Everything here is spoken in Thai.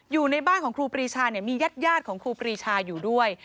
อยู่ในบ้านของครูปรีชามีญาติของครูปรีชาอยู่ด้วย